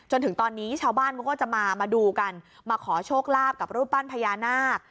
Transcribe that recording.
จนถึงตอนนี้ชาวบ้านเขาก็จะมามาดูกันมาขอโชคลาภกับรูปปั้นพญานาค